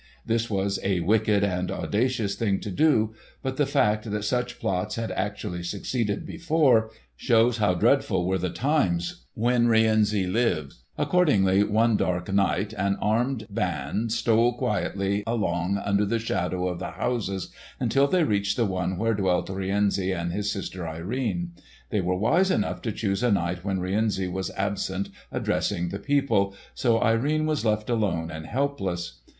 This was a wicked and audacious thing to do; but the fact that such plots had actually succeeded before shows how dreadful were the times when Rienzi lived. Accordingly, one dark night, an armed band stole quietly along under the shadow of the houses until they reached the one where dwelt Rienzi and his sister Irene. They were wise enough to choose a night when Rienzi was absent addressing the people, so Irene was left alone and helpless.